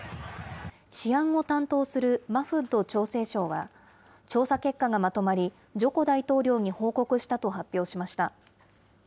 治安を担当するマフッド調整相は、調査結果がまとまり、ジョコ大統領に報告したと発表しました。